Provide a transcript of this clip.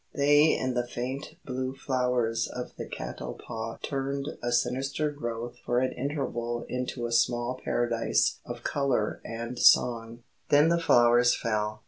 They and the faint blue flowers of the catalpa turned a sinister growth for an interval into a small Paradise of colour and song. Then the flowers fell.